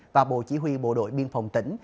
và bộ chỉ huy bộ đội biên phòng tỉnh